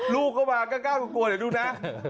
ลูกก็มากล้ากลัวเดี๋ยวดูนะ